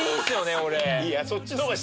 俺。